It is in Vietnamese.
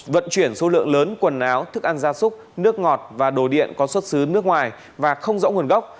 vận chuyển số lượng lớn quần áo thức ăn gia súc nước ngọt và đồ điện có xuất xứ nước ngoài và không rõ nguồn gốc